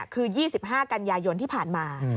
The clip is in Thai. คือ๒๕กัญญญญนณ์ที่ผ่านมา